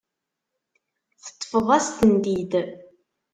Teṭṭfeḍ-as-tent-id.